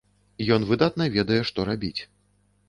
Ён выдатна ведае, што рабіць.